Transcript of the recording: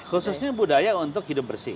khususnya budaya untuk hidup bersih